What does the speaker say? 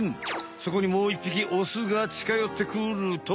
そこにもういっぴきオスがちかよってくると。